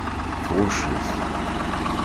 Tɣucc-it.